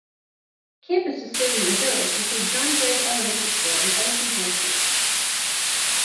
Campuses serving the village include John Gregg Elementary School and Edison High School.